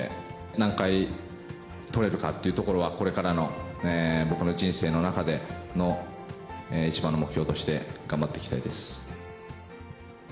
何回とれるかというところは、これからの僕の人生の中での一番の目標として頑張っていきたいです。